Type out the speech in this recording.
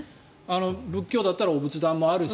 仏教だったらお仏壇もあるし。